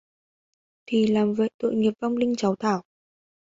Thì làm như vậy Tội nghiệp vong linh cháu Thảo